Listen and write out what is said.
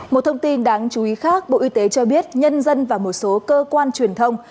một thông tin đáng chú ý khác bộ y tế cho biết nhân dân và một số cơ quan truyền thông